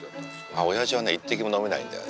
おやじは一滴も飲めないんだよね。